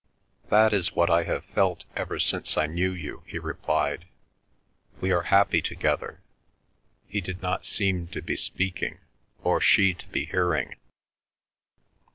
"That is what I have felt ever since I knew you," he replied. "We are happy together." He did not seem to be speaking, or she to be hearing.